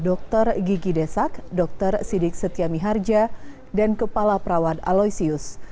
dokter gigi desak dr sidik setia miharja dan kepala perawat aloysius